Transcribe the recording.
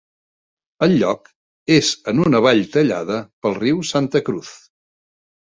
El lloc és en una vall tallada pel riu Santa Cruz.